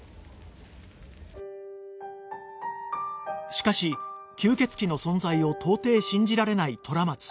しかし吸血鬼の存在を到底信じられない虎松